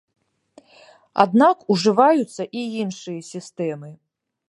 Аднак ужываюцца і іншыя сістэмы.